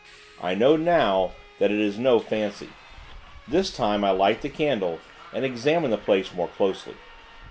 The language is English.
I know, now, that it is no fancy. This time, I light the candle, and examine the place, more closely.